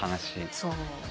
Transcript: そう。